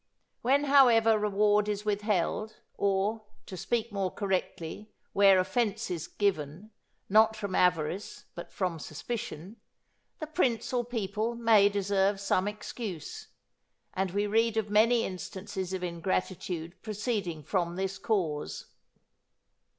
When, however, reward is withheld, or, to speak more correctly, where offence is given, not from avarice but from suspicion, the prince or people may deserve some excuse; and we read of many instances of ingratitude proceeding from this cause.